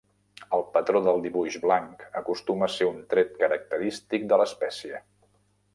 El patró del dibuix blanc acostuma a ser un tret característic de l'espècie.